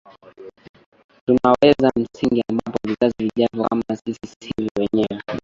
tunaweka msingi ambapo vizazi vijavyo kama sio sisi wenyewe